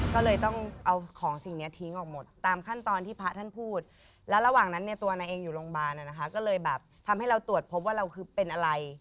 ก็เลยต้องเอาของสิ่งนี้ทิ้งออกหมดตามขั้นตอนที่พระท่านพูดแล้วระหว่างนั้นเนี่ยตัวนางเองอยู่โรงพยาบาลนะคะก็เลยแบบทำให้เราตรวจพบว่าเราคือเป็นอะไร